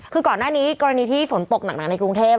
คือก่อนหน้านี้กรณีที่ฝนตกหนักในกรุงเทพ